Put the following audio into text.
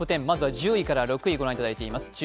まずは１０位から６位をご覧いただいています。